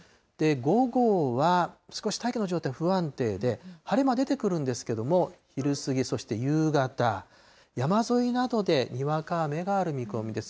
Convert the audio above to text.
午後は少し大気の状態不安定で、晴れ間出てくるんですけど、昼過ぎ、そして夕方、山沿いなどで、にわか雨がある見込みです。